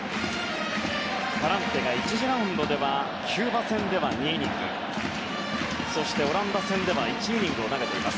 パランテが１次ラウンドでキューバ戦では２イニングそしてオランダ戦では１イニングを投げています。